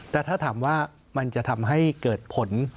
แต่ถ้าถามว่ามันจะทำให้เกิดผล